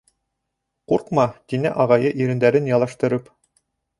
— Ҡурҡма, — тине Ағайы, ирендәрен ялаштырып.